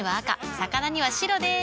魚には白でーす。